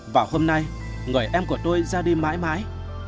và hôm nay người em của tôi ra đi mãi mãi